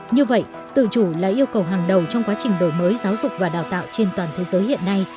như vậy tự chủ là yêu cầu hàng đầu trong quá trình đổi mới giáo dục và đào tạo trên toàn thế giới hiện nay